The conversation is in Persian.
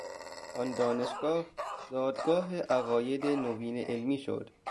آن دانشگاه زادگاه عقاید نوین علمی شد.